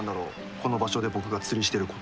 この場所で僕が釣りしてること。